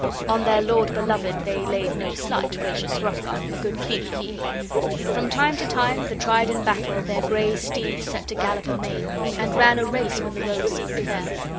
(On their lord beloved they laid no slight, gracious Hrothgar: a good king he!) From time to time, the tried in battle their gray steeds set to gallop amain, and ran a race when the road seemed fair.